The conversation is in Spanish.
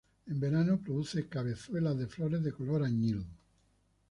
En verano produce cabezuelas de flores de color añil.